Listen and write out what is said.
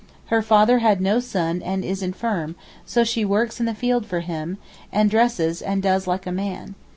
Her father had no son and is infirm, so she works in the field for him, and dresses and does like a man.